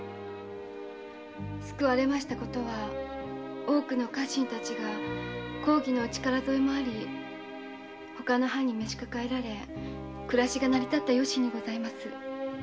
救われましたことは公儀のお力添えもあり多くの家臣達が他の藩に召し抱えられ暮らしが成り立った由にございます。